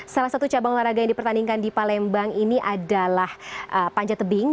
salah satu cabang olahraga yang dipertandingkan di palembang ini adalah panjat tebing